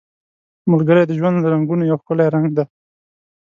ملګری د ژوند له رنګونو یو ښکلی رنګ دی